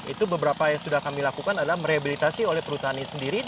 itu beberapa yang sudah kami lakukan adalah merehabilitasi oleh perhutani sendiri